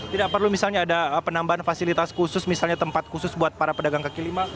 tidak perlu misalnya ada penambahan fasilitas khusus misalnya tempat khusus buat para pedagang kaki lima